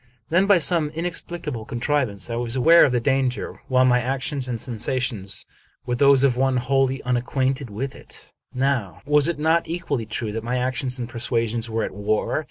Then, by some inexplicable contriv ance, I was aware of the danger, while my actions and sensations were those of one wholly unacquainted with it. 257 American Mystery Stories Now, was it not equally true that my actions and persuasions were at war?